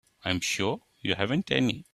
I'm sure you haven't any.